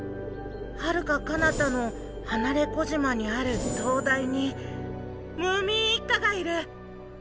はるかかなたの離れ小島にある灯台にムーミン一家がいる。